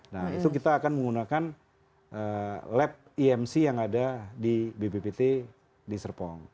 nah itu kita akan menggunakan lab imc yang ada di bppt di serpong